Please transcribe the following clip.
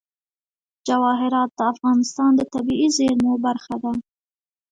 جواهرات د افغانستان د طبیعي زیرمو برخه ده.